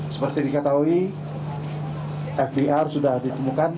seperti diketahui fdr sudah ditemukan